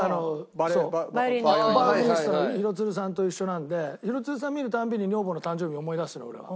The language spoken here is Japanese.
ヴァイオリニストの廣津留さんと一緒なんで廣津留さん見るたびに女房の誕生日を思い出すの俺は。